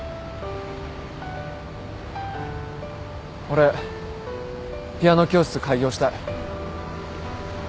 俺ピアノ教室開業したい。